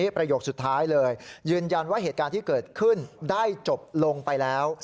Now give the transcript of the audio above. ประโยคสุดท้ายเลยยืนยันว่าเหตุการณ์ที่เกิดขึ้นได้จบลงไปแล้ว